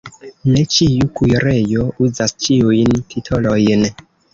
Ne ĉiu kuirejo uzas ĉiujn titolojn.